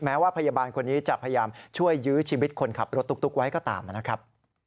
ว่าพยาบาลคนนี้จะพยายามช่วยยื้อชีวิตคนขับรถตุ๊กไว้ก็ตามนะครับ